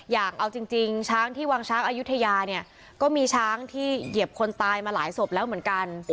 อย่างเอาจริงช้างที่วังช้างอายุทยาเนี่ยก็มีช้างที่เหยียบคนตายมาหลายศพแล้วเหมือนกัน